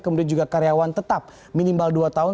kemudian juga karyawan tetap minimal dua tahun